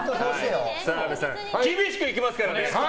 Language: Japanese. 澤部さん厳しくいきますからね！